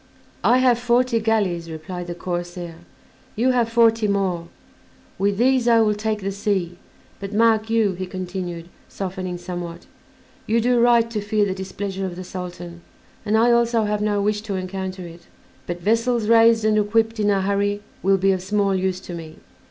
"I have forty galleys," replied the corsair; "you have forty more. With these I will take the sea; but, mark you," he continued, softening somewhat, "you do right to fear the displeasure of the Sultan, and I also have no wish to encounter it; but vessels raised and equipped in a hurry will be of small use to me.